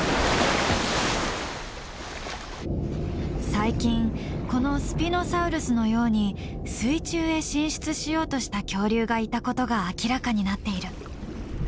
最近このスピノサウルスのように水中へ進出しようとした恐竜がいたことが明らかになっている。